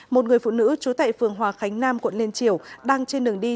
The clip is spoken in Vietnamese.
một người phụ nữ chú tệ phường hòa khánh nam quận liên triều đang trên đường đi